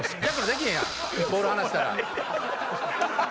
ボール離したら。